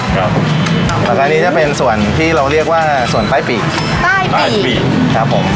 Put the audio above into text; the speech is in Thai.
แล้วก็อันนี้จะเป็นส่วนที่เราเรียกว่าส่วนใต้ปีกใต้ปีกครับผม